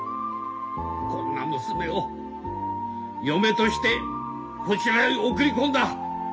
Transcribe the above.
こんな娘を嫁としてこちらへ送り込んだ。